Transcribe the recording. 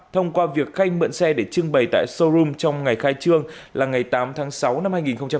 tám trăm linh thông qua việc khanh mượn xe để trưng bày tại showroom trong ngày khai trương là ngày tám tháng sáu năm hai nghìn hai mươi ba